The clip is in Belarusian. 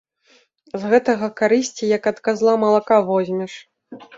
З гэтага карысці як ад казла малака возьмеш!